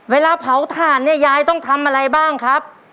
เวลาเผาถ่านเนี่ยยายต้องทำอะไรบ้างครับ